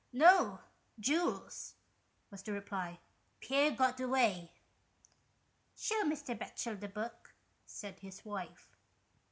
No ! Jules," was the reply. " Pierre got away." " Shew Mr. Batchel the book," said his wife.